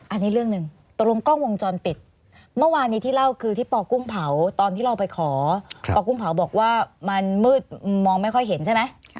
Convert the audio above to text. อันนี้เรื่องหนึ่งตกลงกล้องวงจรปิดเมื่อวานนี้ที่เล่าคือที่ปกุ้งเผาตอนที่เราไปขอปอกุ้งเผาบอกว่ามันมืดมองไม่ค่อยเห็นใช่ไหม